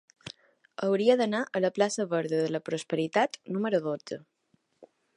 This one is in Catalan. Hauria d'anar a la plaça Verda de la Prosperitat número dotze.